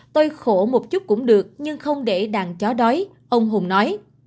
tôi khổ một chút cũng được nhưng không để đàn chó đói ông hùng nói